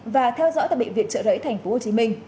và theo dõi tại bệnh viện trợ rẫy tp hcm